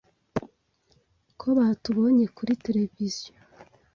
ko batubonye kuri televiziyo